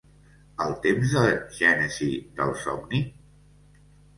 ¿El temps de gènesi del somni?